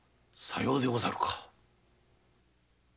さようでござるか。